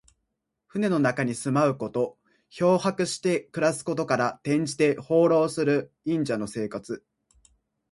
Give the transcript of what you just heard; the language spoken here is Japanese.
船の中に住まうこと。漂泊して暮らすことから、転じて、放浪する隠者の生活。